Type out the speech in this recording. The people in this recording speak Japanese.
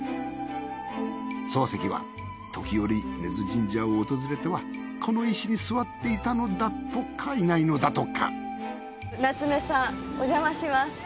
漱石は時折根津神社を訪れてはこの石に座っていたのだとかいないのだとか夏目さんおじゃまします。